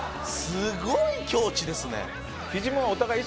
すごい境地ですね。